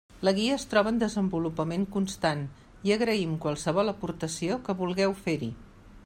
La guia es troba en desenvolupament constant i agraïm qualsevol aportació que vulgueu fer-hi.